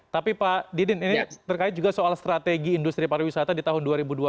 tapi pak didin ini terkait juga soal strategi industri pariwisata di tahun dua ribu dua puluh